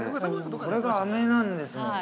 ◆これがあめなんですもんね。